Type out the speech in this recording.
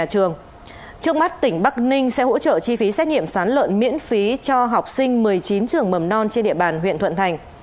trước mắt tỉnh bắc ninh sẽ hỗ trợ chi phí xét nghiệm sán lợn miễn phí cho học sinh một mươi chín trường mầm non trên địa bàn huyện thuận thành